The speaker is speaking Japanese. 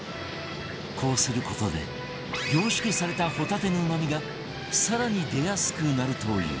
こうする事で凝縮されたホタテのうまみが更に出やすくなるという